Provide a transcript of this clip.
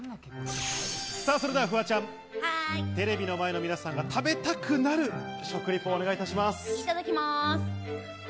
それではフワちゃん、テレビの前の皆さんが食べたくなる食リポをお願いいたします。